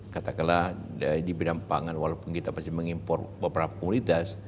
katakanlah di bidang pangan walaupun kita masih mengimpor beberapa komunitas